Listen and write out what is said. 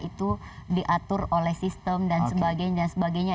itu diatur oleh sistem dan sebagainya